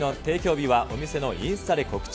日はお店のインスタで告知。